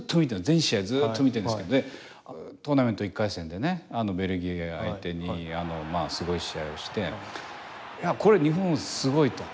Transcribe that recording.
全試合ずっと見てるんですけどトーナメント１回戦でベルギー相手にすごい試合をしてこれ、日本すごいと。